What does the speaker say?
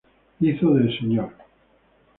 Hizo de Mr.